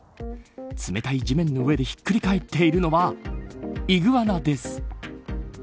冷たい地面の上でひっくり返っているのはイグアナです。